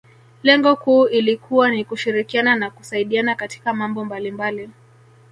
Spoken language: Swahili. Lengo kuu ilikuwa ni kushirikiana na kusaidiana katika mambo mbalimbali